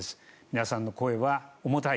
皆さんの声は重たい。